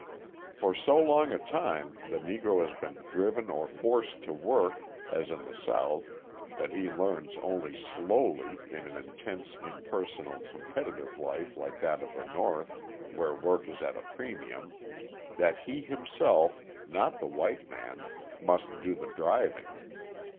For so long a time the Negro has been driven or forced to work, as in the South, that he learns only slowly, in an intense, impersonal, competitive life like that of the North, where work is at a premium, that he himself, not the white man, must do the driving.